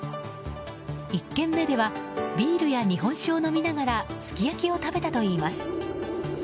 １軒目ではビールや日本酒を飲みながらすき焼きを食べたといいます。